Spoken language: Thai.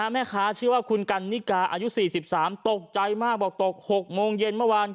แม่ค้าชื่อว่าคุณกันนิกาอายุ๔๓ตกใจมากบอกตก๖โมงเย็นเมื่อวาน